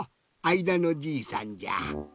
あいだのじいさんじゃ。